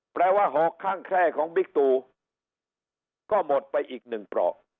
ว่าหอกข้างแคร่ของบิ๊กตูก็หมดไปอีกหนึ่งปลอก